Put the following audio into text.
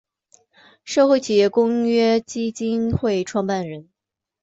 社会企业公约基金会创办人。